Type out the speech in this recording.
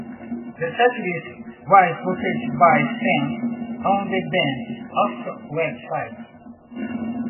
The setlist was voted by fans on the band's official website.